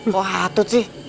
kok hatut sih